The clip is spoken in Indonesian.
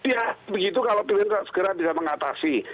ya begitu kalau pemerintah segera bisa mengatasi